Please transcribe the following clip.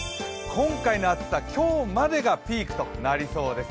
今回の暑さ、今日までがピークとなりそうです。